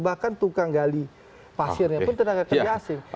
bahkan tukang gali pasirnya pun tenaga kerja asing